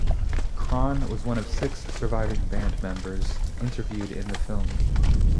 Cron was one of six surviving band members interviewed in the film.